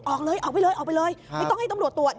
ออกเลยออกไปเลยออกไปเลยไม่ต้องให้ตำรวจตรวจ